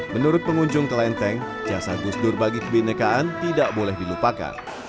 menurut pengunjung kelenteng jasa gus dur bagi kebenekaan tidak boleh dilupakan